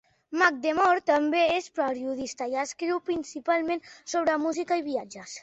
McDermott també és periodista i escriu principalment sobre música i viatges.